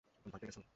ভয় পেয়ে গেছো?